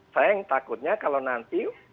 saya yang takutnya kalau nanti